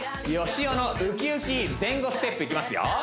しおのウキウキ前後ステップいきますよ